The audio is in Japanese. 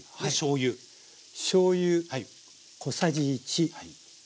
しょうゆ小さじ１。